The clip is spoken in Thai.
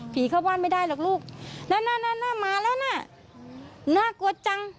เข้าบ้านไม่ได้หรอกลูกแล้วน่ามาแล้วน่ะน่ากลัวจัง